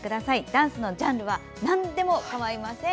ダンスのジャンルはなんでも構いません。